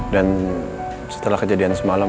dan setelah kejadian semalam